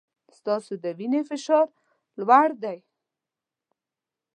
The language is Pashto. ستاسو د وینې فشار لوړ دی.